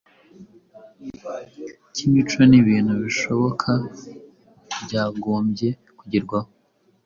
cy’imico n’ibintu bishoboka byagombye kugerwaho,